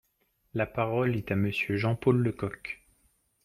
La parole est à Monsieur Jean-Paul Lecoq.